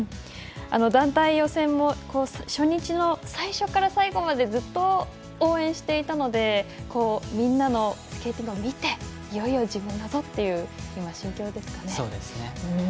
団体予選も初日の最初から最後までずっと応援していたのでみんなのスケーティングを見ていよいよ自分だぞっていう今、心境ですかね。